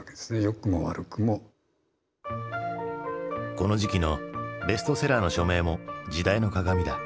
この時期のベストセラーの書名も時代の鏡だ。